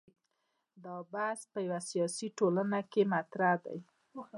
دا بحث په یوه سیاسي ټولنه کې مطرح دی.